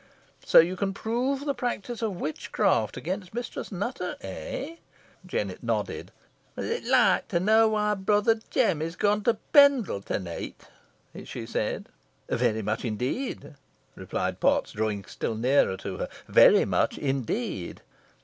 So you can prove the practice of witchcraft against Mistress Nutter eh?" Jennet nodded. "Wad ye loike to knoa why brother Jem is gone to Pendle to neet?" she said. "Very much, indeed," replied Potts, drawing still nearer to her. "Very much, indeed."